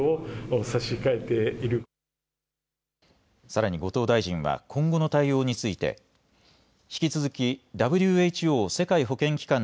さらに後藤大臣は今後の対応について引き続きＷＨＯ・世界保健機関